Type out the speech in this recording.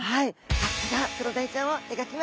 さあそれではクロダイちゃんを描きました。